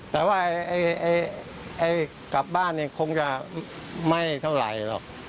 แต่ว่ากลับบ้านคงจะไม่เท่าไหร่หรอก